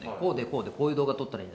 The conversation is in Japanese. こうでこうで。